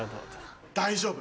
大丈夫！